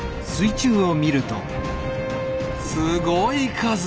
すごい数！